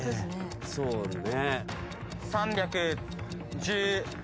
そうね。